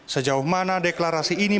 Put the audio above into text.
sejauh mana deklarasi ini